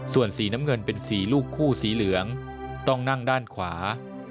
ส่วนสีน้ำเงินเป็นสีลูกคู่สีเหลืองต้องนั่งด้านขวา